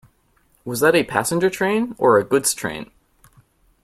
Was that a passenger train or a goods train?